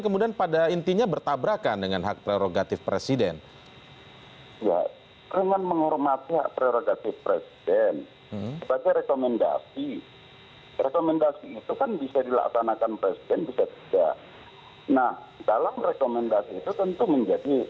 pertanyaan saya selanjutnya begini bang masinton